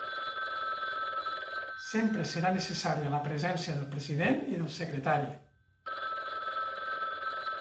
Sempre serà necessària la presència del president i del secretari.